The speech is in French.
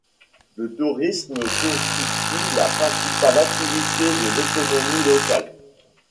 Le tourisme constitue la principale activité de l'économie locale.